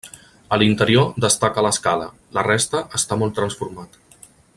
A l'interior destaca l'escala, la resta està molt transformat.